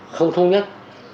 không thống nhất